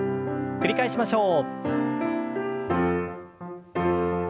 繰り返しましょう。